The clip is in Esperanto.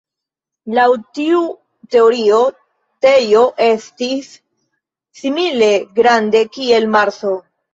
Laŭ tiu teorio Tejo estis simile grande kiel Marso.